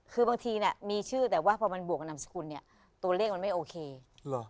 คือบางทีน่ะมีชื่อแต่ว่าพอมันบวกกับนามสกุลเนี่ยตัวเลขมันไม่โอเคหรอ